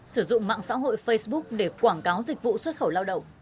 sử dụng mạng xã hội facebook để quảng cáo dịch vụ xuất khẩu lao động